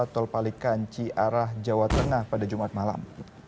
dua puluh empat tol palikanci arah jawa ternah pada jumat malam